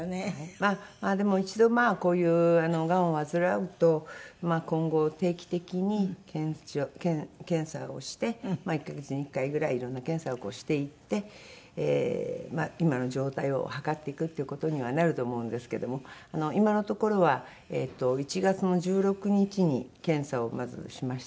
まあでも一度こういうがんを患うと今後定期的に検査をして１カ月に１回ぐらいいろんな検査をしていって今の状態を測っていくっていう事にはなると思うんですけれども今のところはえっと１月の１６日に検査をまずしました。